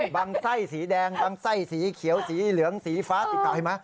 บางไส้สีแดงบางไส้สีเขียวสีเหลืองสีฟ้าติดต่อให้ไหม